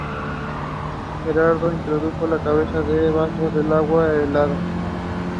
Gerardo introdujo la cabeza debajo del agua helada